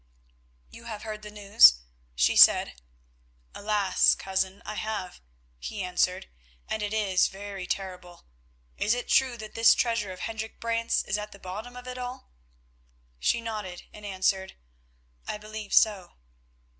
"You have heard the news?" she said. "Alas! cousin, I have," he answered, "and it is very terrible. Is it true that this treasure of Hendrik Brant's is at the bottom of it all?" She nodded, and answered, "I believe so."